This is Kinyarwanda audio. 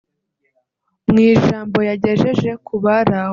Mu ijambo yagejeje kubari aho